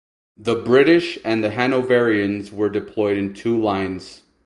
The British and the Hanoverians were deployed in two lines.